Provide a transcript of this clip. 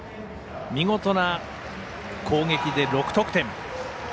見事な攻撃で６得点。